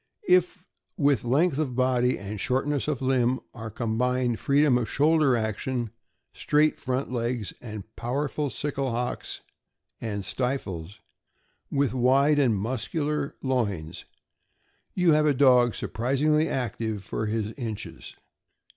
If with length of body and shortness of limb are combined freedom of shoulder action, straight front legs, and powerful sickle hocks and stifles, with wide and mus cular loins, you have a dog surprisingly active for his inches.